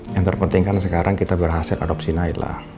yang terpenting kan sekarang kita berhasil adopsi nailah